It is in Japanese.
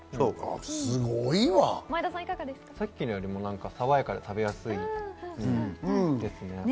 さっきのより爽やかで食べやすいです。